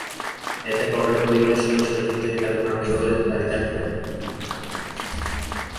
এতে বখাটের পরিবারের সদস্যরা ক্ষিপ্ত হয়ে তাঁকে মারধর করে বাড়িতে আটকে রাখেন।